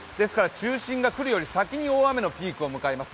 中心が来るより先に大雨のピークを迎えます。